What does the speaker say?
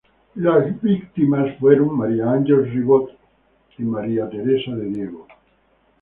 Las víctimas fueron Maria Angels Ribot y María Teresa de Diego.